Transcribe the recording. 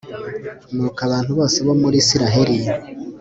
nuko abantu bose bo muri israheli